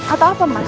atau apa mas